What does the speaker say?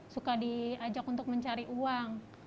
suka diajak untuk mencari uang